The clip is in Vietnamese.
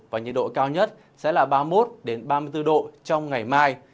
và nhiệt độ cao nhất sẽ là ba mươi một ba mươi bốn độ trong ngày mai